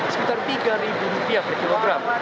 sekitar tiga rupiah per kilogram